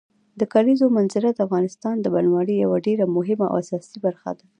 د کلیزو منظره د افغانستان د بڼوالۍ یوه ډېره مهمه او اساسي برخه ده.